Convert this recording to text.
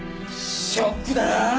ショックだな。